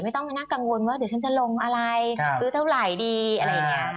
ไม่ต้องมาน่ากังวลว่าเดี๋ยวฉันจะลงอะไรซื้อเท่าไหร่ดีอะไรอย่างนี้ค่ะ